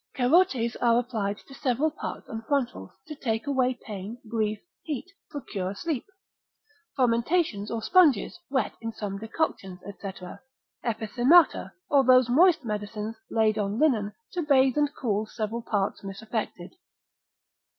Cerotes are applied to several parts and frontals, to take away pain, grief, heat, procure sleep. Fomentations or sponges, wet in some decoctions, &c., epithemata, or those moist medicines, laid on linen, to bathe and cool several parts misaffected.